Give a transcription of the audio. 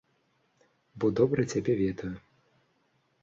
Бо добра цябе ведаю.